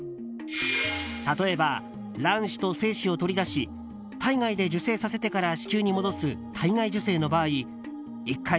例えば、卵子と精子を取り出し体外で受精させてから子宮に戻す体外受精の場合１回